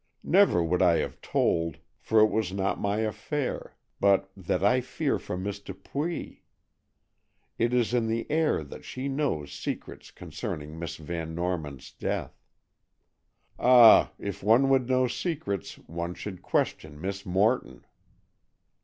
Never would I have told, for it was not my affair, but that I fear for Miss Dupuy. It is in the air that she knows secrets concerning Miss Van Norman's death. Ah, if one would know secrets, one should question Miss Morton."